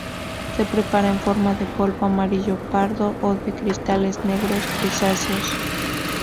Se prepara en forma de polvo amarillo pardo o de cristales negros-grisáceos.